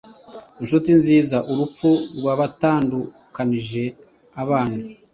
Nshuti nziza Urupfu rwabatandukanije abana